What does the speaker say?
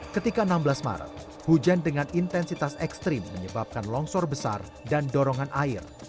ketika enam belas maret hujan dengan intensitas ekstrim menyebabkan longsor besar dan dorongan air